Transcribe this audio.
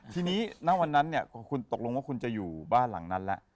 ทีนี้ณวันนั้นเนี่ยคุณตกลงว่าคุณจะอยู่บ้านหลังนั้นแล้ว